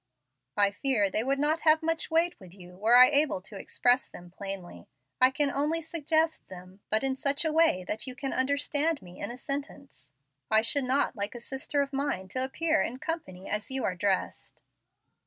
"I fear they would not have much weight with you were I able to express them plainly. I can only suggest them, but in such a way that you can understand me in a sentence. I should not like a sister of mine to appear in company as you are dressed."